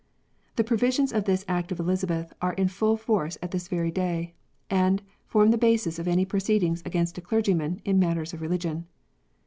The provisions of this Act of Elizabeth are in full force at this very day, and form the basis of any proceedings against a clergyman in matters of religion.